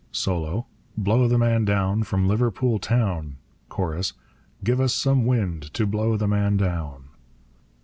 Solo. Blow the man down from Liverpool town; Chorus. Give us some wind to blow the man down.